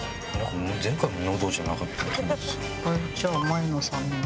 じゃあ前野さんに。